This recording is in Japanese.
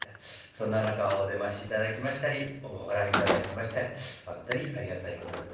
そんな中をお出ましいただきましたりご覧いただきましたりまことにありがたいことでございますが。